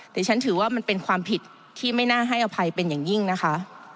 แต่ฉันถือว่ามันเป็นความผิดที่ไม่น่าให้อภัยเป็นอย่างยิ่งนะคะ